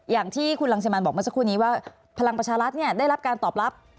อย่างที่คุณรังสิมันบอกเมื่อสักครู่นี้ว่าพลังประชารัฐเนี่ยได้รับการตอบรับ